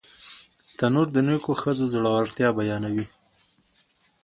تنور د نیکو ښځو زړورتیا بیانوي